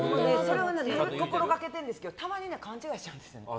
それは心がけてるんですけどたまに勘違いしちゃうんです。